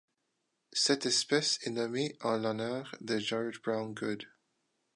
Cette espèce est nommée en l'honneur de George Brown Goode.